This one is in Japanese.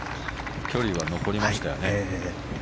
距離は残りましたよね。